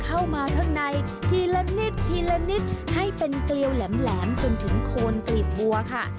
เข้ามาข้างในทีละนิดทีละนิดให้เป็นเกลียวแหลมจนถึงโคนกลีบบัวค่ะ